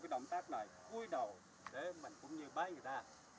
cũng như bái ra